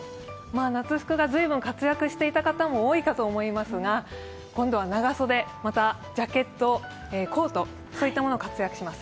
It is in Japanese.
夏服が随分活躍していた方も多いと思いますが今度は長袖、またジャケット、コート、そういったものが活躍します。